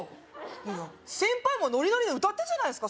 いや先輩もノリノリで歌ったじゃないですか